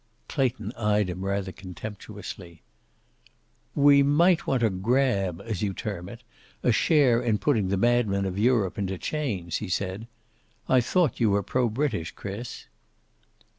Clayton eyed him rather contemptuously. "We might want to 'grab' as you term it, a share in putting the madmen of Europe into chains," he said. "I thought you were pro British, Chris."